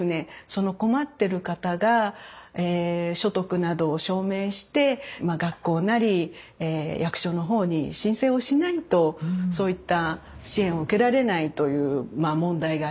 その困ってる方が所得などを証明して学校なり役所の方に申請をしないとそういった支援を受けられないという問題がありまして。